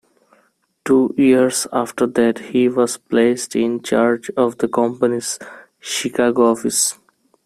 Two years after that, he was placed in charge of the company's Chicago office.